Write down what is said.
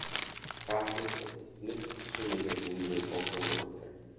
Craftsmen such as smiths, shoemakers and weavers also worked there.